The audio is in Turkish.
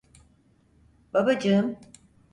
Babacım?